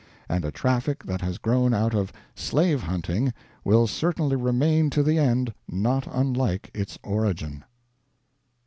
And a Traffic that has grown out of 'slave hunting' will certainly remain to the end not unlike its origin."